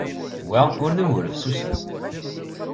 Wa ur d ugur fessusen.